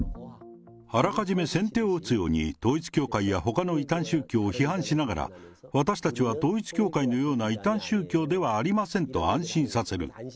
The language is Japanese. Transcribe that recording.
あらかじめ先手を打つように、統一教会やほかの異端宗教を批判しながら、私たちは統一教会のような異端宗教ではありませんと安心させる。